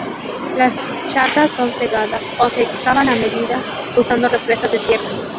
Las charcas son cegadas, o se excavan a medida usando represas de tierra.